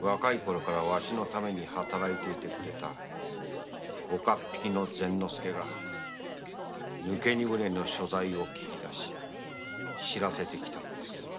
若いころからわしのために働いてくれた岡っ引きの善之助が抜け荷舟の所在を聞き出し知らせて来たのです。